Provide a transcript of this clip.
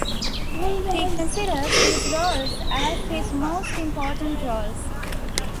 He considers these roles as his most important roles.